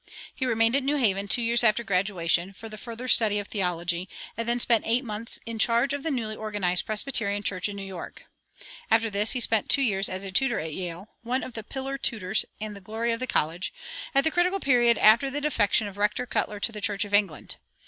He remained at New Haven two years after graduation, for the further study of theology, and then spent eight months in charge of the newly organized Presbyterian church in New York.[156:1] After this he spent two years as tutor at Yale, "one of the pillar tutors, and the glory of the college," at the critical period after the defection of Rector Cutler to the Church of England.